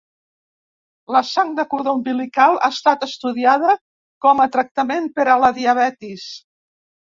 La sang de cordó umbilical ha estat estudiada com a tractament per a la diabetis.